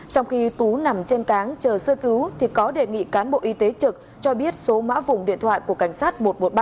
trước khi đánh chờ sơ cứu thì có đề nghị cán bộ y tế trực cho biết số mã vùng điện thoại của cảnh sát một trăm một mươi ba